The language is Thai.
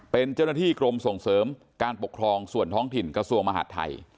เป็นเจ้าหน้าที่กรมส่งเสริมการปกครองส่วนท้องถิ่นกระทรวงมหาดไทย